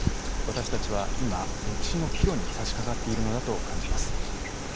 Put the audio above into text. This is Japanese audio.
私たちは今、歴史の岐路にさしかかっているのだと感じます。